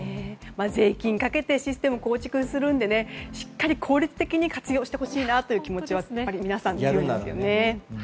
税金をかけてシステムを構築するのでしっかり効率的に活用してほしいという気持ちは皆さん、強いですよね。